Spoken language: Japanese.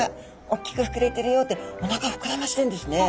大きく膨れてるよっておなか膨らましてるんですね。